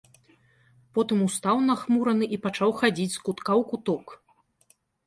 Потым устаў нахмураны і пачаў хадзіць з кутка ў куток.